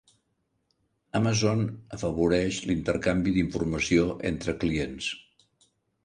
Amazon afavoreix l'intercanvi d'informació entre clients.